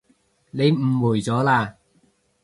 你誤會咗喇